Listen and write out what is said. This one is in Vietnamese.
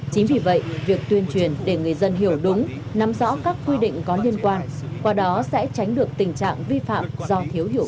chính vì vậy việc tuyên truyền để người dân hiểu đúng nắm rõ các quy định có liên quan qua đó sẽ tránh được tình trạng vi phạm do thiếu hiểu biết